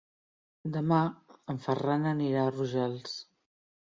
Demà en Ferran anirà a Rojals.